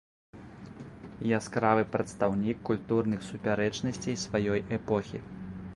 Яскравы прадстаўнік культурных супярэчнасцей сваёй эпохі.